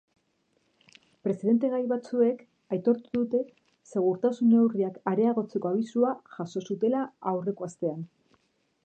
Presidentegai batzuek aitortu dute segurtasun-neurriak areagotzeko abisua jaso zutela aurreko astean.